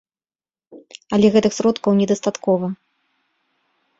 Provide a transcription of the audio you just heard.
Але гэтых сродкаў недастаткова.